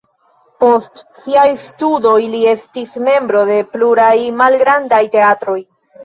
Post siaj studoj li estis membro de pluraj malgrandaj teatroj.